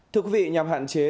thưa quý vị nhằm hạn chế